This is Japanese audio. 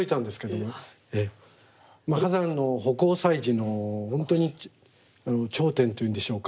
波山の葆光彩磁の本当に頂点というんでしょうか。